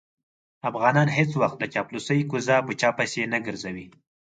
افغانان هېڅ وخت د چاپلوسۍ کوزه په چا پسې نه ګرځوي.